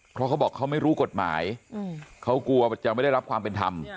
เพราะเขาบอกเขาไม่รู้กฎหมายเขากลัวจะไม่ได้รับความเป็นธรรม